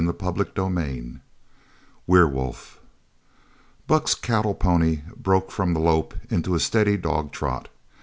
CHAPTER XXIX "WEREWOLF" Buck's cattle pony broke from the lope into a steady dog trot.